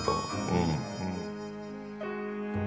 うん。